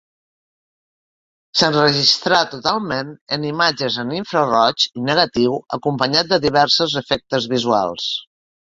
S'enregistrà totalment en imatges en infraroig i negatiu acompanyat de diversos efectes visuals.